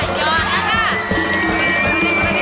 กันไปต่อแล้วแม่